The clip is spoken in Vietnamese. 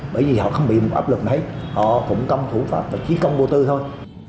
bởi vì họ không bị một áp lực đấy họ cũng công thủ pháp và trí công vô tư thôi